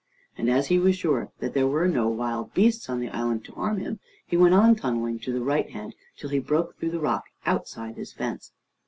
And as he was sure that there were no wild beasts on the island to harm him, he went on tunneling to the right hand till he broke through the rock outside his fence.